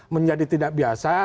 menjadi tidak biasa